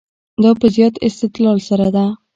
دا په زیات استدلال سره ده.